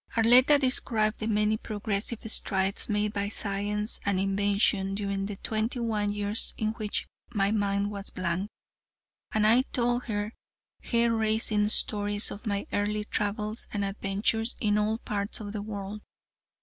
Arletta described the many progressive strides made by science and invention during the twenty one years in which my mind was a blank, and I told her hair raising stories of my early travels and adventures in all parts of the world.